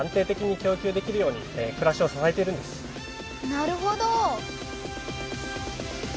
なるほど。